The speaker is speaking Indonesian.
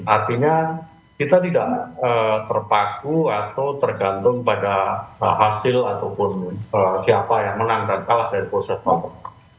artinya kita tidak terpaku atau tergantung pada hasil ataupun siapa yang menang dan kalah dari proses nomor